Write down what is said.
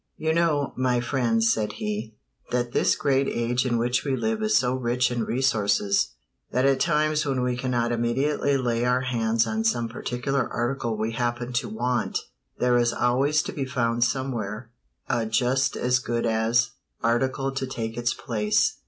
"You know, my friends," said he, "that this great age in which we live is so rich in resources that at times when we cannot immediately lay our hands on some particular article we happen to want there is always to be found somewhere a just as good as article to take its place.